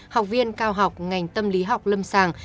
học viên cao học ngành tâm lý học lâm sàng